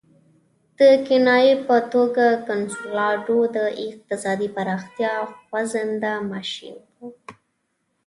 د کنایې په توګه کنسولاډو د اقتصادي پراختیا خوځنده ماشین وو.